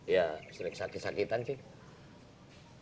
ya sedikit sakit sakitan cik